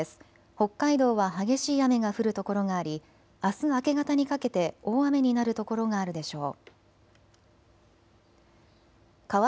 北海道は激しい雨が降る所がありあす明け方にかけて大雨になる所があるでしょう。